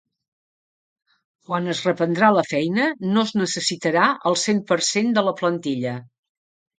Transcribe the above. Quan es reprendrà la feina no es necessitarà el cent per cent de la plantilla.